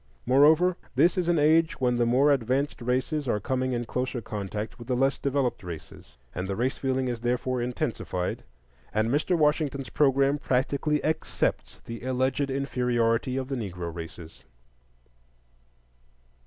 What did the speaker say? Moreover, this is an age when the more advanced races are coming in closer contact with the less developed races, and the race feeling is therefore intensified; and Mr. Washington's programme practically accepts the alleged inferiority of the Negro races.